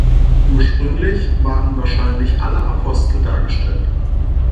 Ursprünglich waren wahrscheinlich alle Apostel dargestellt.